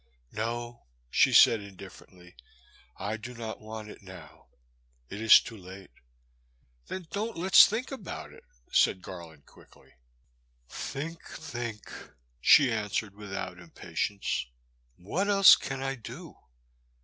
No," she said indifferently, I do not want it now, — ^it is too late.'* Then don't let 's think about it," said Gar land quickly. Think ! think !" she answered without impa tience, what else can I do